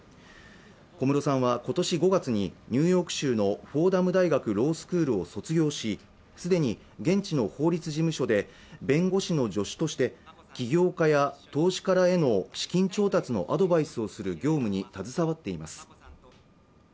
小室さんは今年５月にニューヨーク州のフォーダム大学ロースクールを卒業しすでに現地の法律事務所で弁護士の助手として起業家や投資家らへの資金調達のアドバイスをする業務に携わっています